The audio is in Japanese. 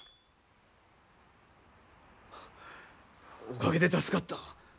おかげで助かった。